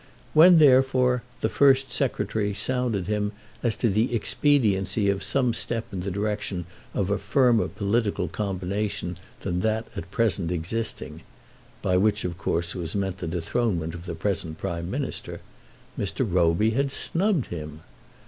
When, therefore, the First Secretary sounded him as to the expediency of some step in the direction of a firmer political combination than that at present existing, by which of course was meant the dethronement of the present Prime Minister, Mr. Roby had snubbed him!